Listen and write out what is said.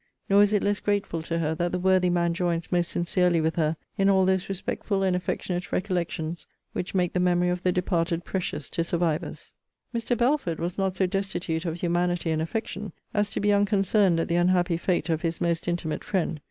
Nor is it less grateful to her, that the worthy man joins most sincerely with her in all those respectful and affectionate recollections, which make the memory of the departed precious to survivors. Mr. BELFORD was not so destitute of humanity and affection, as to be unconcerned at the unhappy fate of his most intimate friend.